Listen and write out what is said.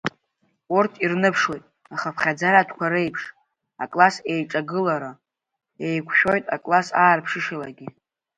Урҭ ирныԥшуеит, ахыԥхьаӡаратәқәа реиԥш, акласстә еиҿагылара, еиқәшәоит акласс аарԥшышьалагьы…